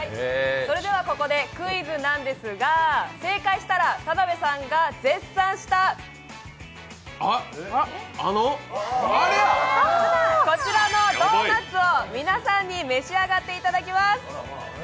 ここでクイズなんですが正解したら田辺さんが絶賛したこちらのドーナツを皆さんに召し上がっていただきます。